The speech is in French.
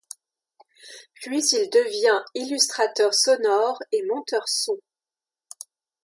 Puis il devient illustrateur sonore et monteur son.